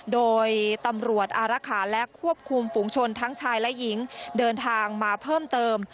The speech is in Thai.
โดยตำรวจอารักษาและควบคุมฝูงชนทั้งชายและหญิงเดินทางมาเพิ่มเติม